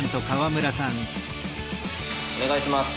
お願いします。